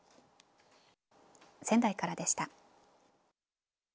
仙台からでした。